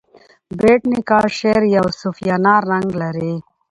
بېټ نیکه شعر یو صوفیانه رنګ لري.